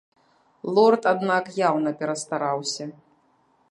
Лорд, аднак, яўна перастараўся.